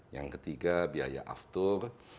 yang ketiga biaya aftur